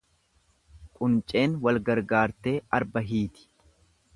Qunceen wal gargaartee arba hiiti.